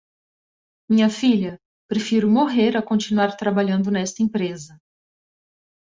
Minha filha, prefiro morrer a continuar trabalhando nesta empresa